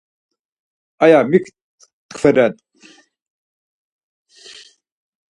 Aya mik tkveren?